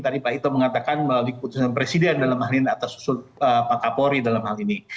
tadi pak ito mengatakan melalui keputusan presiden dalam hal ini atas usul pak kapolri dalam hal ini